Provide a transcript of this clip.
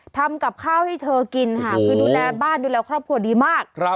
ทำกับข้าวให้เธอกินค่ะคือดูแลบ้านดูแลครอบครัวดีมาก